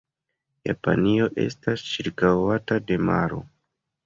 Japanio estas ĉirkaŭata de maro.